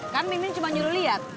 kan mimin cuma nyuruh liat